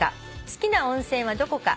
『好きな温泉はどこか？』